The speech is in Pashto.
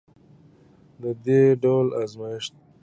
د دې ډول ازمیښت